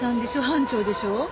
班長でしょ。